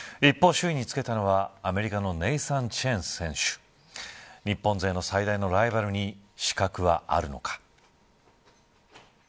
一方、首位につけたのはアメリカのネイサン・チェン選手日本勢の最大のライバルに死角はあるのか。